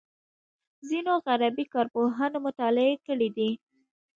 ځینو غربي کارپوهانو مطالعې کړې دي.